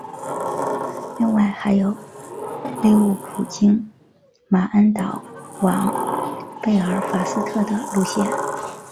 另外还有利物浦经马恩岛往贝尔法斯特的路线。